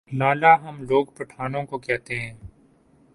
لالہ ہم لوگ پٹھانوں کو کہتے ہیں ۔